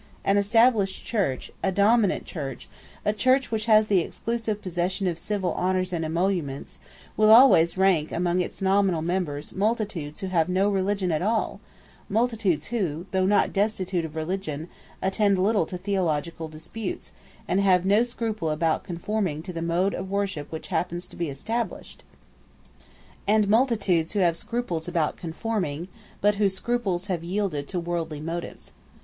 An established church, a dominant church, a church which has the exclusive possession of civil honours and emoluments, will always rank among its nominal members multitudes who have no religion at all; multitudes who, though not destitute of religion, attend little to theological disputes, and have no scruple about conforming to the mode of worship which happens to be established; and multitudes who have scruples about conforming, but whose scruples have yielded to worldly motives.